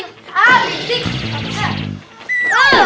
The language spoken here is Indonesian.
ngajak beratung kan